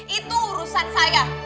itu urusan saya